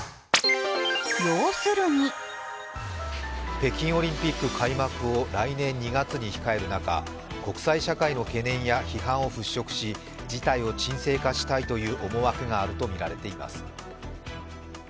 北京オリンピック開幕を来年２月に控える中国際社会の懸念や批判を払拭し、事態を鎮静化したいという思惑がみられます。